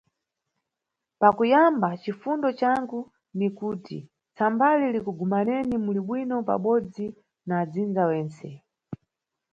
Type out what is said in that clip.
Pakuyamba, cifundo cangu ni kuti tsambali likugumaneni muli bwino pabodzi na adzinza wentse.